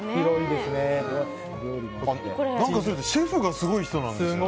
あとシェフがすごい人なんですよね。